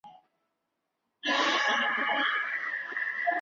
梅萨迪卡布洛是位于美国亚利桑那州希拉县的一个人口普查指定地区。